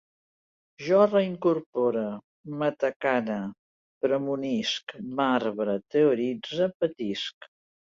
Jo reincorpore, matacane, premunisc, marbre, teoritze, patisc